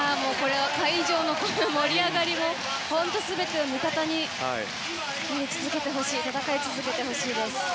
会場の盛り上がりも本当、全てを味方につけて戦い続けてほしいです。